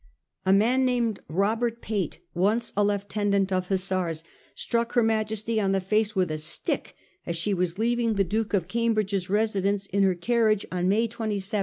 A man named Robert Pate, once a lieutenant of hussars, struck her Majesty on the face with a stick as she was leaving the Duke of Cam bridge's residence in her carriage on May 27, 1850.